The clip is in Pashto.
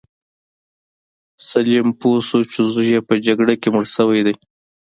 سلیم پوه شو چې زوی یې په جګړه کې مړ شوی دی.